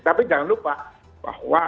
tapi jangan lupa bahwa